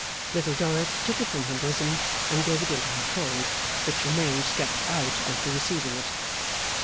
Little Dorrit took it from her bosom, and gave it into her hand, which remained stretched out after receiving it.